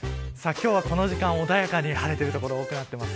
今日はこの時間穏やかに晴れている所が多くなっています。